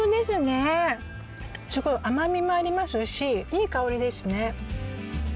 すごい甘みもありますしいい香りですね。